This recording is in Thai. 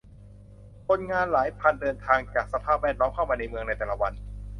คนงานหลายพันคนเดินทางจากสภาพแวดล้อมเข้ามาในเมืองในแต่ละวัน